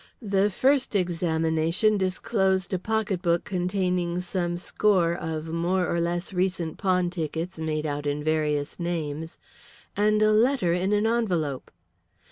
The first examination disclosed a pocketbook containing some score of more or less recent pawn tickets made out in various names and a letter in an envelope.